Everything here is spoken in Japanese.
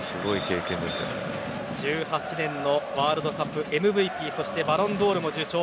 ワールドカップＭＶＰそしてバロンドールも受賞。